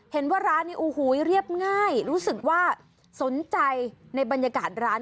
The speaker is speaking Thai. เห็นว่าร้านนี้โอ้โหเรียบง่ายรู้สึกว่าสนใจในบรรยากาศร้าน